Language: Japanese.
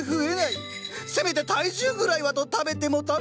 せめて体重ぐらいはと食べても食べても増えない！